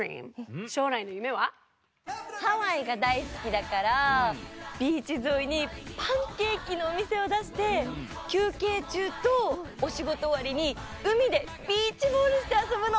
ハワイがだいすきだからビーチぞいにパンケーキのおみせをだしてきゅうけいちゅうとおしごとおわりにうみでビーチボールしてあそぶの！